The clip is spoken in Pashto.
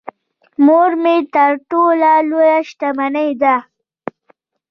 مور مې تر ټولو لويه شتمنی ده .